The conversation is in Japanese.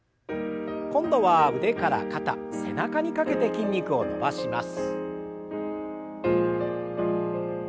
今度は腕から肩背中にかけて筋肉を伸ばします。